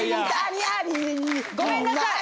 ごめんなさい！